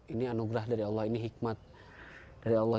ini anugerah dari allah ini hikmat dari allah